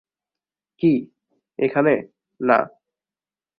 কী, এখানে, না?